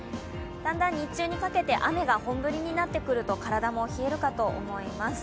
だんだん日中にかけて雨が本降りになってくると体も冷えるかと思います。